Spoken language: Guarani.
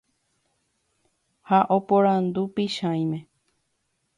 Ha oporandu Pychãime.